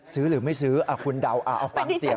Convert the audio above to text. ซื้อหรือไม่ซื้อคุณเดาเอาฟังเสียง